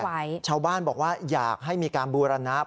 แต่ชาวบ้านบอกว่าอยากให้มีการบูรณ์นะครับ